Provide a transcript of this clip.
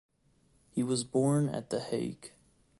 He was born at The Hague.